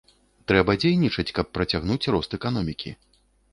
Трэба дзейнічаць, каб працягнуць рост эканомікі.